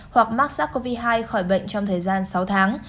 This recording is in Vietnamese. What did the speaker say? hoặc mắc sars cov hai khỏi bệnh trong thời gian sáu tháng